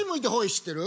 知ってる！